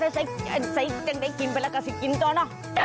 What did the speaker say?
โอ๊ยอ้าวใส่เจ้นเด้อกินไปแล้วก็ฆิกินก่อน